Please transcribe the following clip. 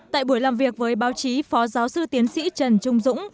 tại buổi làm việc với báo chí phó giáo sư tiến sĩ trần trung dũng